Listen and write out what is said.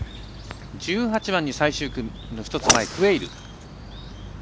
１８番に最終組の１つ前クウェイル。